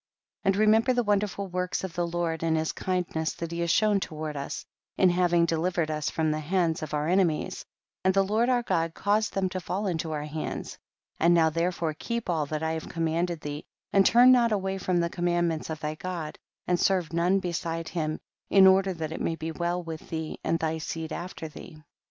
26. And remember the wonderful works of the Lord, and his kindness that he has shown toward us, in hav ing delivered us from the hands of our enemies, and the Lord our God caused them to fall into our hands ; and now^ therefore keep all that I have commanded thee, and turn not away from the commandments of thy God, and serve none beside him, in order that it may be well with thee and thy seed after thee.